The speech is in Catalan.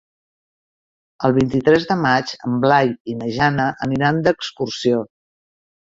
El vint-i-tres de maig en Blai i na Jana aniran d'excursió.